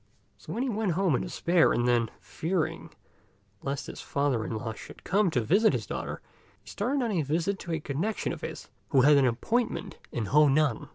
So he went home in despair, and then, fearing lest his father in law should come to visit his daughter, he started on a visit to a connection of his, who had an appointment in Honan.